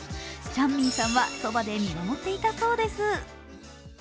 チャンミンさんはそばで見守っていたそうです。